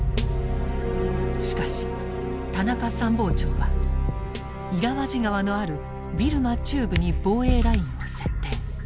しかし田中参謀長はイラワジ河のあるビルマ中部に防衛ラインを設定。